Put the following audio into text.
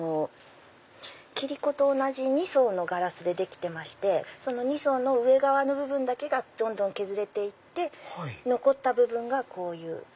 切子と同じ２層のガラスでできてましてその２層の上側の部分だけがどんどん削れていって残った部分がこういう。